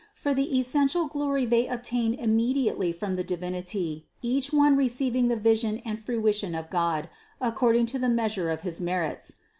For the essential glory they obtain immediately from the Divinity, each one receiving the vision and fruition of God according to the measure of his merits.